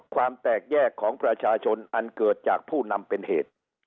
ความแตกแยกของประชาชนอันเกิดจากผู้นำเป็นเหตุ